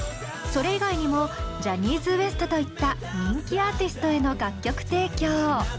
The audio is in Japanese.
それ以外にもジャニーズＷＥＳＴといった人気アーティストへの楽曲提供。